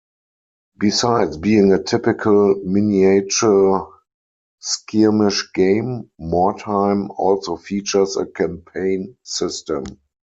Besides being a typical miniature skirmish game, Mordheim also features a campaign system.